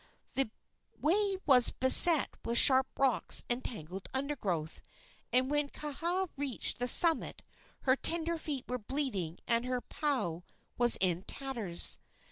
The way was beset with sharp rocks and tangled undergrowth, and when Kaha reached the summit her tender feet were bleeding and her pau was in tatters.